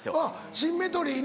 シンメトリーね。